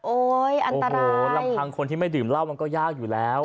อันตรายลำพังคนที่ไม่ดื่มเหล้ามันก็ยากอยู่แล้ว